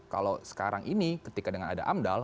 kalau sekarang ini ketika dengan ada amdal